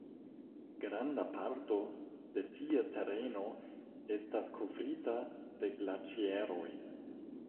Granda parto de ĝia tereno estas kovrita de glaĉeroj.